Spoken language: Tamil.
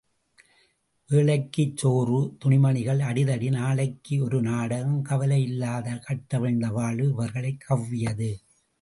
வேளைக்குச் சோறு, துணிமணிகள் அடிதடி, நாளைக்கு ஒரு நாடகம் கவலையில்லாத கட்டவிழ்ந்த வாழ்வு இவர்களைக் கவ்வியது.